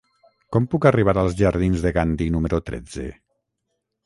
Com puc arribar als jardins de Gandhi número tretze?